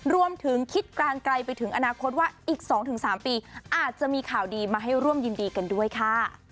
รวมถึงคิดกลางไกลไปถึงอนาคตว่าอีก๒๓ปีอาจจะมีข่าวดีมาให้ร่วมยินดีกันด้วยค่ะ